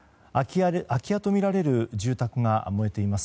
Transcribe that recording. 空き家とみられる住宅が燃えています。